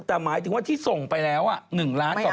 แต่หมายถึงว่าที่ส่งไปแล้ว๑๐๐๐๐๐๐ไม่เอา